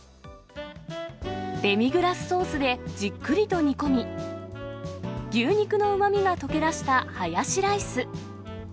デミグラスソースでじっくりと煮込み、牛肉のうまみが溶け出したハヤシライス。